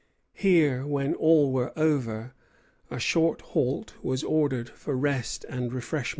Here, when all were over, a short halt was ordered for rest and refreshment.